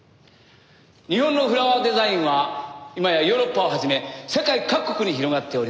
日本のフラワーデザインは今やヨーロッパを始め世界各国に広がっております。